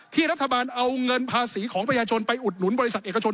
รัฐบาลเอาเงินภาษีของประชาชนไปอุดหนุนบริษัทเอกชน